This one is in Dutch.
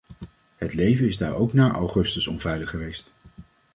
Het leven is daar ook na augustus onveilig geweest.